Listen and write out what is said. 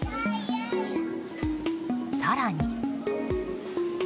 更に。